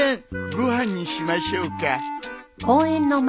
ご飯にしましょうか。